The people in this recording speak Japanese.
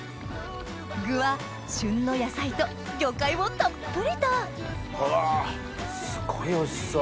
具は旬の野菜と魚介をたっぷりとうわすごいおいしそう！